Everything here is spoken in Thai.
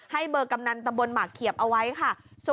ให้เบอร์กำนันตำบลหมากเขียบเอาไว้ค่ะ